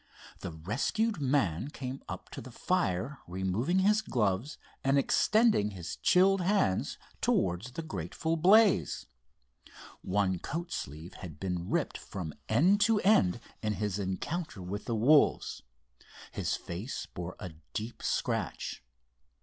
The rescued man came up to the fire, removing his gloves and extending his chilled hands towards the grateful blaze. One coat sleeve had been ripped from end to end in his encounter with the wolves, his face bore a deep scratch.